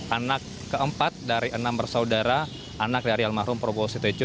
anak keempat dari enam bersaudara anak dari almarhum prabowo sitejo